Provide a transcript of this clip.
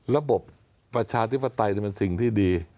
ระบบประชาฤติภัตตินี่มันสิ่งที่ดี